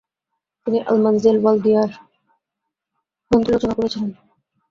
তিনি আল-মানাজিল ওয়াল-দিয়ার গ্রন্থটিও রচনা করেছেন।